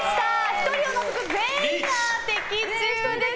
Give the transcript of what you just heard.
１人を除く全員が的中です。